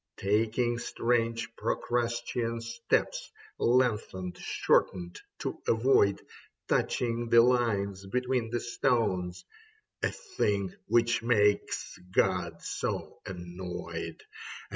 Taking strange Procrustean steps. Lengthened, shortened to avoid Touching the lines between the stones — A thing which makes God so annoyed.